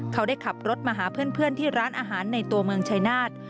เขาได้ขับรถมาหาเพื่อนที่ร้านอาหารในตัวเมืองชายนาฏ